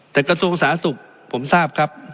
แต่กระทรวงสาธารณสุขผมทราบครับ